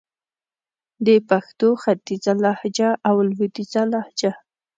د پښتو ختیځه لهجه او لويديځه لهجه